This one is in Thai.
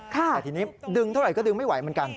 แต่ทีนี้ดึงเท่าไหร่ก็ดึงไม่ไหวเหมือนกัน